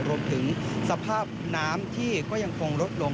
รวมถึงสภาพน้ำที่ก็ยังคงลดลง